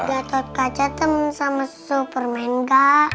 gatot kaca temen sama superman kak